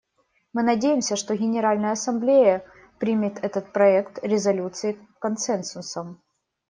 Мы надеемся, что Генеральная Ассамблея примет этот проект резолюции консенсусом.